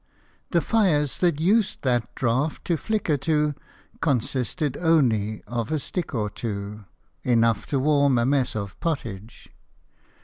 The fires that used that draught to flicker to Consisted only of a stick or two, Enough to warm a mess of pottage.